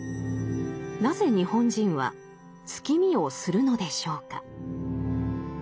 なぜ日本人は月見をするのでしょうか。